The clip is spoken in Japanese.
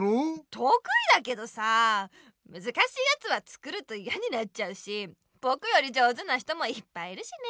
とくいだけどさあむずかしいやつは作るとイヤになっちゃうしぼくより上手な人もいっぱいいるしね。